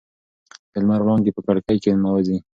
د لمر وړانګې په کړکۍ کې ننوځي.